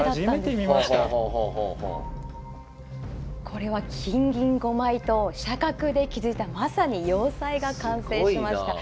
これは金銀５枚と飛車角で築いたまさに要塞が完成しました。